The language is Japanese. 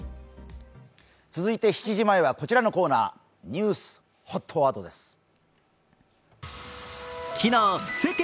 続いて７時前はこちらのコーナーニュースＨＯＴワードです。